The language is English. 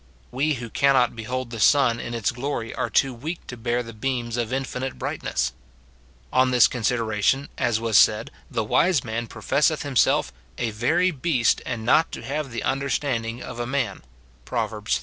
We who cannot behold the sun in its glory are too weak to bear the beams of infinite brightness. On this con sideration, as was said, the wise man professeth himself " a very beast, and not to have the understanding of a man," Prov. xxx.